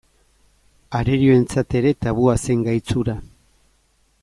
Arerioentzat ere tabua zen gaitz hura.